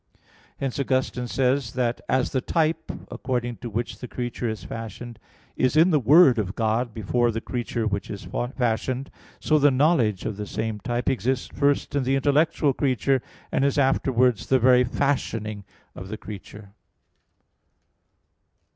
Hence Augustine says (Gen. ad lit. ii, 8) that, "As the type, according to which the creature is fashioned, is in the Word of God before the creature which is fashioned, so the knowledge of the same type exists first in the intellectual creature, and is afterwards the very fashioning of the creature."